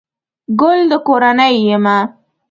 گل دکورنۍ يمه